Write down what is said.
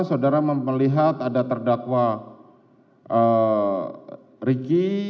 saudara melihat ada terdakwa riki